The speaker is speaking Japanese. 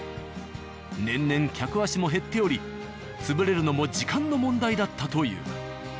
年々客足も減っており潰れるのも時間の問題だったという。